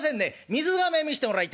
水がめ見してもらいてえんだ」。